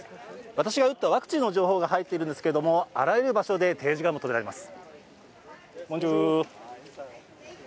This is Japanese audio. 私が打ったワクチンの情報が入っているんですけれども、あらゆる場所で提示が求められます。